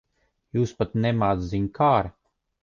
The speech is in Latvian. Jūs pat nemāc ziņkāre.